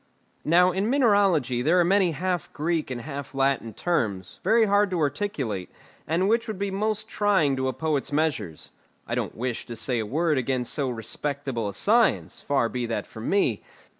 Now in mineralogy there are many half Greek and half Latin terms, very hard to articulate, and which would be most trying to a poet's measures. I don't wish to say a word against so respectable a science, far be that from me.